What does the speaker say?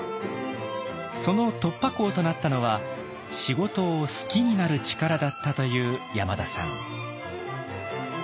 その突破口となったのは仕事を「好きになる力」だったという山田さん。